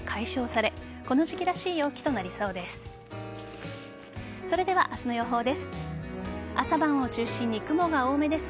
それでは明日の予報です。